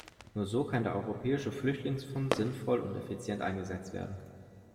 Nur so kann der Europäische Flüchtlingsfonds sinnvoll und effizient eingesetzt werden.